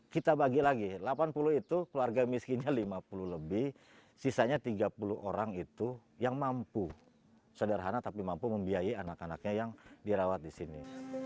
kita bagi lagi delapan puluh itu keluarga miskinnya lima puluh lebih sisanya tiga puluh orang itu yang mampu sederhana tapi mampu membiayai anak anaknya yang dirawat di sini